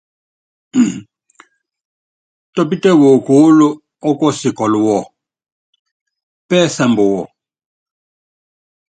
Tɔ́pítɛ wokóólo ɔ́kuɔsikɔ́lu wɔ, pɛ́sɛmbɛ wɔ.